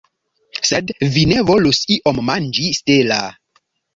Sed vi ne volus iom manĝi, Stella?